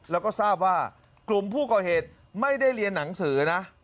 แล้วก็ทราบว่ากลุ่มผู้ก่อเหตุไม่ได้เรียนหนังสือนะ